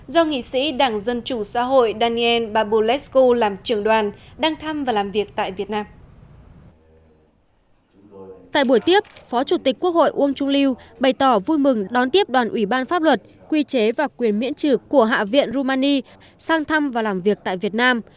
do nghị sĩ đảng dân chủ xã hội daniel babulescu làm trưởng đoàn đang thăm và làm việc tại việt nam